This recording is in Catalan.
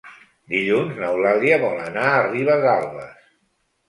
Dilluns n'Eulàlia vol anar a Ribesalbes.